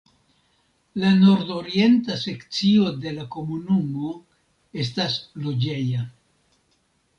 La nordorienta sekcio de la komunumo estas loĝeja.